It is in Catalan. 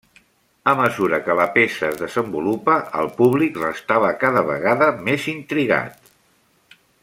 A mesura que la peça es desenvolupa, el públic restava cada vegada més intrigat.